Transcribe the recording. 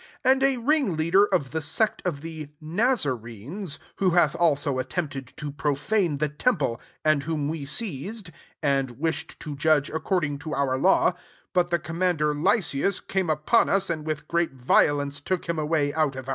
and a leader of the sect of the Ni renes: 6 who hath also atteiD[ to profane the temple : and whom we seized, \and wiMkei judge according to our law : 7 " the commander LymoM aane u«, and with great violence, him away out of.